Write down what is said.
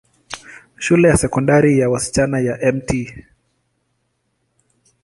Shule ya Sekondari ya wasichana ya Mt.